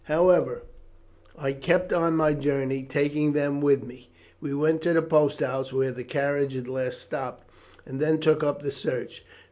However, I kept on my journey, taking them with me. We went to the post house where the carriage had last stopped, and then took up the search.